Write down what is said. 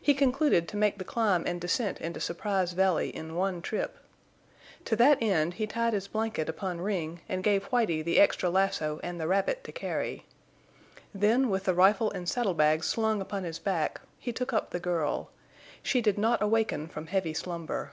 He concluded to make the climb and descent into Surprise Valley in one trip. To that end he tied his blanket upon Ring and gave Whitie the extra lasso and the rabbit to carry. Then, with the rifle and saddle bags slung upon his back, he took up the girl. She did not awaken from heavy slumber.